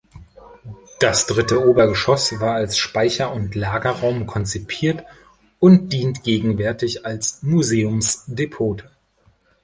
Das dritte Obergeschoss war als Speicher- und Lagerraum konzipiert und dient gegenwärtig als Museumsdepot.